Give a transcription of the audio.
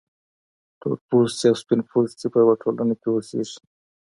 تورپوستي او سپین پوستي په یوه ټولنه کې اوسیږي.